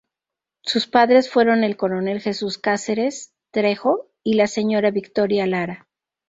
Sus padres fueron el coronel Jesús Cáceres Trejo y la señora Victoria Lara.